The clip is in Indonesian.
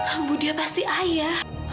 ambu dia pasti ayah